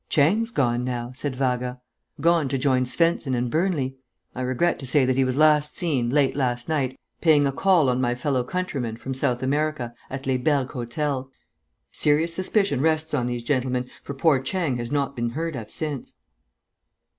"Chang's gone now," said Vaga. "Gone to join Svensen and Burnley. I regret to say that he was last seen, late last night, paying a call on my fellow countrymen from South America at Les Bergues hotel. Serious suspicion rests on these gentlemen, for poor Chang has not been heard of since."